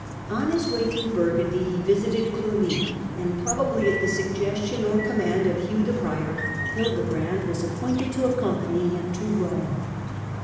On his way through Burgundy he visited Olugny, and probably at the suggestion or command of Hugh the Prior, Hildebrand was appointed to accompany him to Eome.